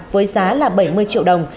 với giá là bảy mươi triệu đồng